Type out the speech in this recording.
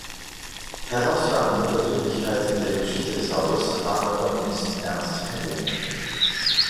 Herausragende Persönlichkeit in der Geschichte des Hauses war der Komponist Ernst Pepping.